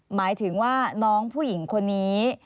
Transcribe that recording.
หมายถึงว่าน้องผู้หญิงคนนี้